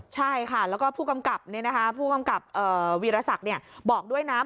ใช่ค่ะแล้วก็ผู้กำกับวีรศักดิ์บอกด้วยนะ